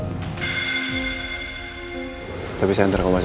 masih gak bisa mencari rendy sama riki